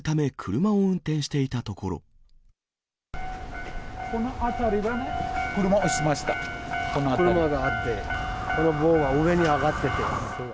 車があって、この棒は上に上がってて。